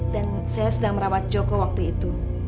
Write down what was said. dan saya sedang merawat joko waktu itu